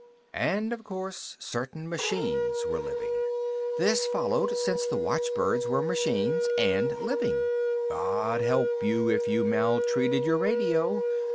And, of course, certain machines were living. This followed, since the watchbirds were machines and living. God help you if you maltreated your radio.